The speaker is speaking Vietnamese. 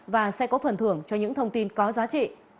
và sẽ có phần thưởng cho những thông tin có giá trị